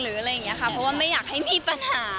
เพราะว่าไม่อยากให้มีปัญหา